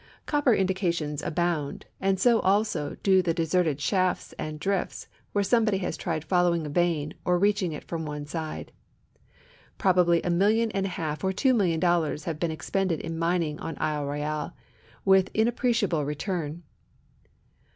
Copper indica tions abound, and so, also, do the deserted shafts and drifts where somebody has tried following a vein or reaching it from one side. Probably a million and a half or two million dollars have been expended in mining on Isle Royal with inapprecial)le return.